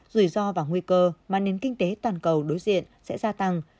rủi ro và nguy cơ mà nền kinh tế toàn cầu đối diện sẽ gia tăng